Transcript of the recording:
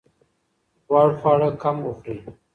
غوړ خواړه کم وخورئ.